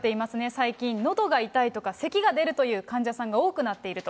最近、のどが痛いとか、せきが出るという患者さんが多くなっていると。